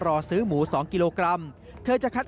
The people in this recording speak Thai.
แต่ขอร้องคุณคำศัพท์เลยนะครับ